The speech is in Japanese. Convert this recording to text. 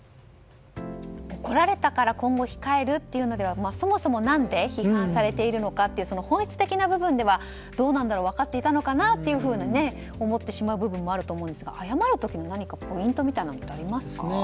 怒られたから今後控えるというのではそもそも何で批判されているのか本質的な部分ではどうなんだろう分かっていたのかなと思ってしまう部分もあると思うんですが謝る時のポイントみたいなものはありますか？